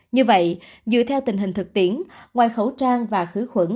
như vậy dựa theo tình hình thực tiễn ngoài khẩu trang và khử khuẩn